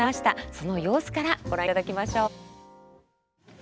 その様子からご覧いただきましょう。